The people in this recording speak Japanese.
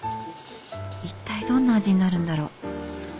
一体どんな味になるんだろう。